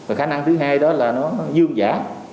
và khả năng thứ hai đó là nó dương giả